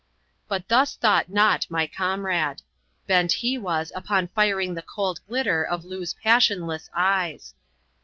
But thus thought not mj comrade. Bent he was up<m firing the cold glitter of Loa's passionless eyes.